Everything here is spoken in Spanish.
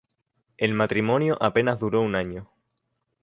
El matrimonio apenas duró un año.